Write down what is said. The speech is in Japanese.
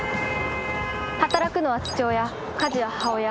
働くのは父親家事は母親。